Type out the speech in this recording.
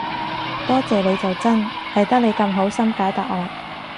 多謝你就真，係得你咁好心解答我